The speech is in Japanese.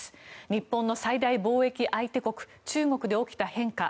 日本の最大貿易相手国中国で起きた変化